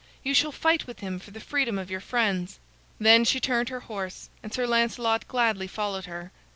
You shall fight with him for the freedom of your friends." Then she turned her horse, and Sir Lancelot gladly followed her.